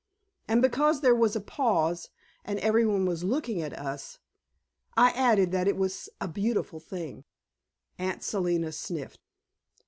And because there was a pause and every one was looking at us, I added that it was a beautiful thing. Aunt Selina sniffed.